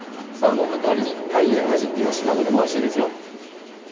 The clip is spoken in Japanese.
サーモンの代わりにたいやあじ、いわしなどでもおいしいですよ。